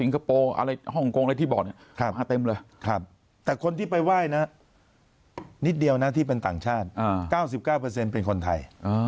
ครับแต่คนที่ไปไหว้นะนิดเดียวนะที่เป็นต่างชาติ๙๙เป็นคนไทย